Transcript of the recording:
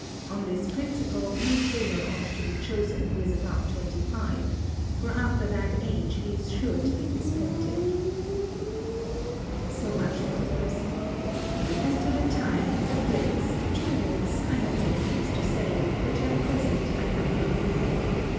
On this principle, no tailor ought to be chosen who is above twenty five, for after that age he is sure to be dyspeptic. "So much for the person. As to the time, the place, the tools, I have many things to say, which at present I have no room for.